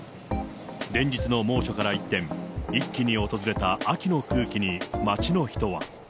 連日の猛暑から一転、一気に訪れた秋の空気に街の人は。